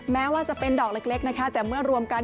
แม้ว่าจะเป็นดอกเล็กนะคะแต่เมื่อรวมกัน